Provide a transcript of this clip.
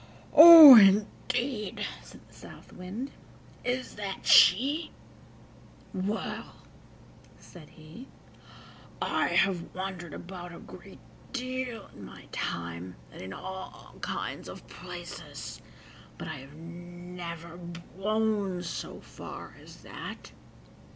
"Oh, indeed!" said the South Wind, "is that she? Well," said he, "I have wandered about a great deal in my time, and in all kinds of places, but I have never blown so far as that.